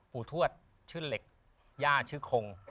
ทวดชื่อเหล็กย่าชื่อคง